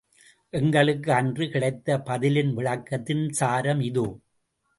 எங்களுக்கு அன்று கிடைத்த, பதிலின், விளக்கத்தின் சாரம் இதோ.